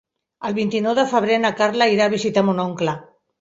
El vint-i-nou de febrer na Carla irà a visitar mon oncle.